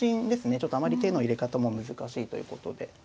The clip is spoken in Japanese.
ちょっとあまり手の入れ方も難しいということで。